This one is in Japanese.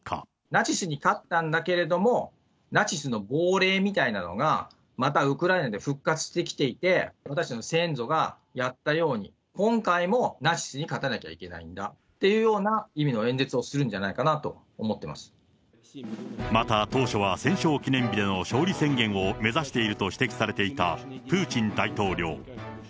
ナチスに勝ったんだけれども、ナチスの亡霊みたいなのが、またウクライナで復活してきていて、私たちの先祖がやったように、今回もナチスに勝たなきゃいけないんだというような意味の演説をまた、当初は戦勝記念日での勝利宣言を目指していると指摘されていたプーチン大統領。